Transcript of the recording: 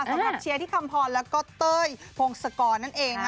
สำหรับเชียร์ที่คำพรและก็เต้ยพงศกรนั่นเองค่ะ